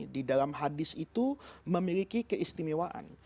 di dalam hadis itu memiliki keistimewaan